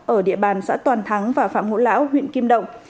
ở địa bàn xã toàn thắng và phạm ngũ lão huyện kim động